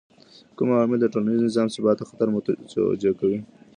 کوم عوامل د ټولنیز نظم ثبات ته خطر متوجه کوي؟